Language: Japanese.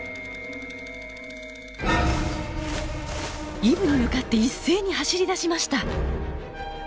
イブに向かって一斉に走りだしました！